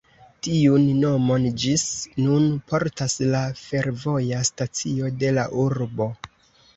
Tiun nomon ĝis nun portas la fervoja stacio de la urbo.